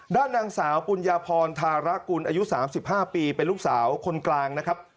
ด้านนางสาวปุญญาพรธารกุลอายุ๓๕ปีเป็นลูกสาวคนกลางนะครับ